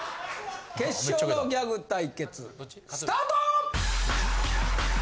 決勝のギャグ対決スタート！